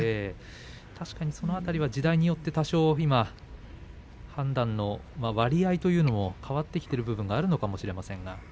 その辺り、確かに時代によって判断の割合というのは変わってきている部分があるかもしれません。